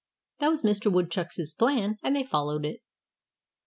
That was Mr. Woodchuck's plan. And they followed it.